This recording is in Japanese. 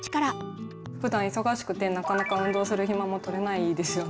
ふだん忙しくてなかなか運動する暇もとれないですよね。